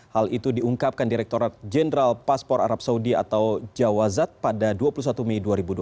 hal itu diungkapkan direkturat jenderal paspor arab saudi atau jawazat pada dua puluh satu mei dua ribu dua puluh